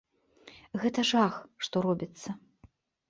Гэта жах, што робіцца.